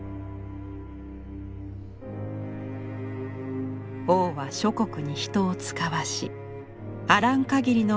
王は諸国に人を遣わしあらん限りの名画を集めさせました。